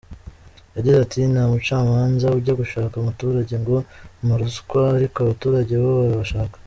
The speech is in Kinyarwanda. Yagize ati “Nta mucamanza ujya gushaka umuturage ngo mpa ruswa ariko abaturage bo barabashaka.